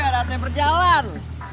ada hati berjalan